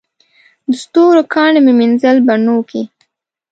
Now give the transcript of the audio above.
د ستورو کاڼي مې مینځل بڼوکي